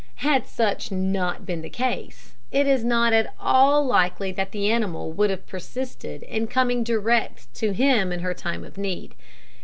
Had such not been the case, it is not at all likely that the animal would have persisted in coming direct to him in her time of need.